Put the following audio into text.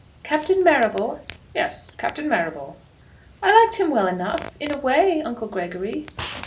"Captain Marrable?" "Yes, Captain Marrable." "I liked him well enough, in a way, Uncle Gregory."